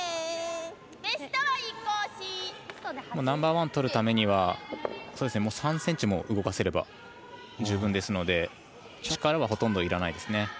ナンバーワンをとるためには３ｃｍも動かせれば十分ですので力はほとんどいらないですね。